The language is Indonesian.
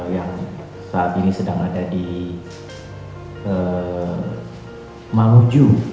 yang saat ini sedang ada di maluju